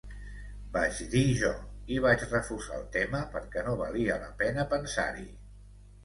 Vaig dir jo, i vaig refusar el tema perquè no valia la pena pensar-hi.